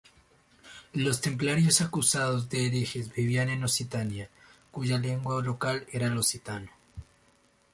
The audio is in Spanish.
Los templarios acusados de herejes vivían en Occitania, cuya lengua local era el occitano.